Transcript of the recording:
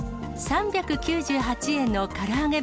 ３９８円のから揚げ